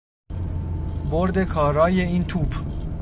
برد کارای این توپ